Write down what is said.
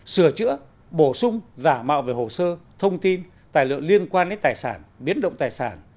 sửa chữa bổ sung giả mạo về hồ sơ thông tin tài liệu liên quan đến tài sản biến động tài sản